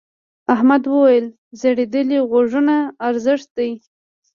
احمد وويل: ځړېدلي غوږونه زړښت دی.